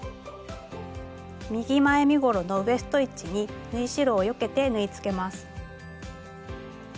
右前身ごろのウエスト位置に縫い代をよけて縫いつけます。